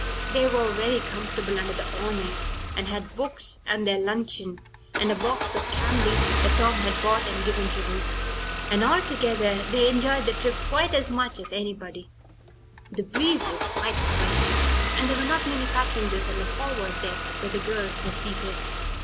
They were very comfortable under the awning, and had books, and their luncheon, and a box of candy that Tom had bought and given to Ruth, and altogether they enjoyed the trip quite as much as anybody. The breeze was quite fresh and there were not many passengers on the forward deck where the girls were seated.